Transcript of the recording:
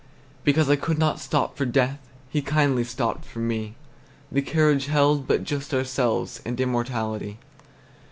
Because I could not stop for Death, He kindly stopped for me; The carriage held but just ourselves And Immortality.